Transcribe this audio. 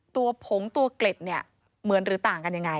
ผงตัวเกล็ดเนี่ยเหมือนหรือต่างกันยังไง